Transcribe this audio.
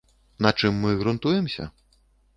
На чым мы грунтуемся?